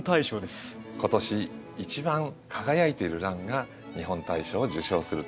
今年一番輝いてるランが日本大賞を受賞すると。